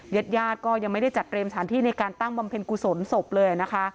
ญาติญาติก็ยังไม่ได้จัดเตรียมสถานที่ในการตั้งบำเพ็ญกุศลศพเลยนะคะ